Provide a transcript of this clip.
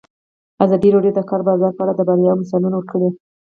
ازادي راډیو د د کار بازار په اړه د بریاوو مثالونه ورکړي.